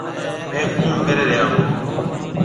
ميه ڪوم ڪري ريا هون۔